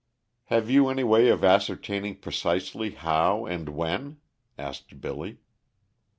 "Have you any way of ascertaining precisely how and when?" asked Billy.